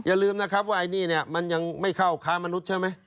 อย่าลืมนะครับว่าไอ้นี่เนี่ยมันยังไม่เข้าค้ามนุษย์ใช่ไหม